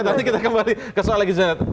nanti kita kembali ke soal legislatif